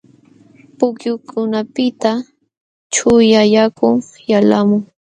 Pukyukunapiqta chuyaq yakun yalqamun.